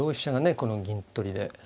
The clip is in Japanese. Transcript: この銀取りで。